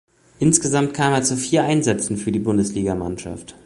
Insgesamt kam er zu vier Einsätzen für die Bundesligamannschaft.